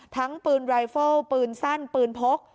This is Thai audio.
ทั้งปืนรายเฟิลปืนสั้นปืนพก